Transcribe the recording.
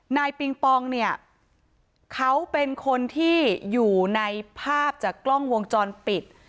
ปิงปองเนี่ยเขาเป็นคนที่อยู่ในภาพจากกล้องวงจรปิด